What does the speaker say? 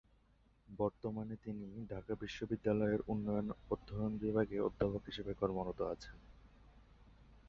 বর্তমানে তিনি ঢাকা বিশ্ববিদ্যালয়ের উন্নয়ন অধ্যয়ন বিভাগে অধ্যাপক হিসেবে কর্মরত আছেন।